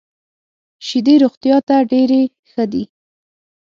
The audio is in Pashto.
شیدې روغتیا ته ډېري ښه دي .